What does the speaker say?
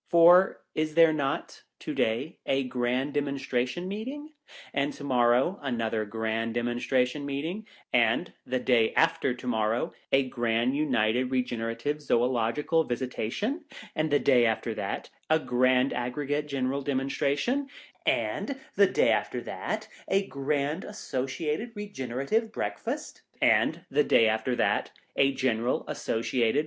For, is there not, to day, a Grand Demonstration Meeting ; and to morrow, another Grand Demonstration Meeting ; and, the day after to morrow, a Grand United Regenerative Zoological Visi tation ; and, the day after that, a Grand Ag gregate General Demonstration ; and, the day after that, a Grand Associated Regenerative VOL. III. 74 506 HOUSEHOLD WORDS. [Coniliicte by Breakfast ; and, the day after that, a Grand Associated